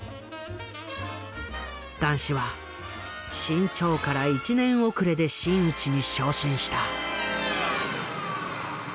談志は志ん朝から１年遅れで真打ちに昇進した。